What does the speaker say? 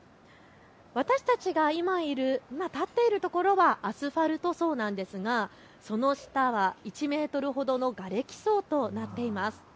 私たちが今立っている所はアスファルト層なんですが、その下は１メートルほどのがれき層となっているんです。